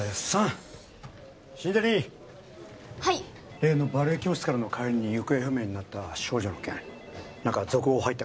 例のバレエ教室からの帰りに行方不明になった少女の件なんか続報入ったか？